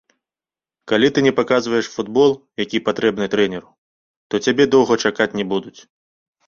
Калі ты не паказваеш футбол, які патрэбны трэнеру, то цябе доўга чакаць не будуць.